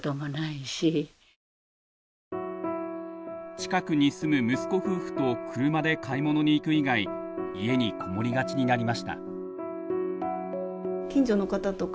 近くに住む息子夫婦と車で買い物に行く以外家にこもりがちになりました。